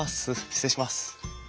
失礼します。